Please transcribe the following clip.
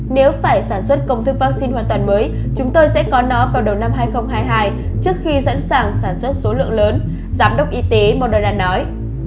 nếu phải sản xuất công thức vaccine hoàn toàn mới chúng tôi sẽ có nó vào đầu năm hai nghìn hai mươi hai trước khi dẫn sản xuất số lượng lớn giám đốc y tế mondara nói